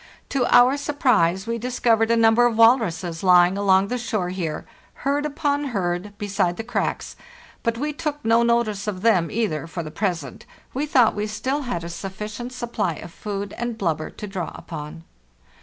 To our surprise, we discovered a number of walruses lying along the shore here, herd upon herd, beside the cracks; but we took no notice of them either, for the present; we thought we still had a sufficient supply of food and blubber to draw upon.